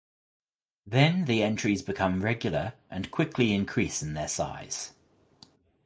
Then the entries become regular and quickly increase in their size.